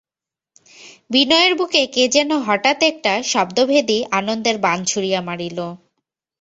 বিনয়ের বুকে কে যেন হঠাৎ একটা শব্দভেদী আনন্দের বাণ ছুঁড়িয়া মারিল।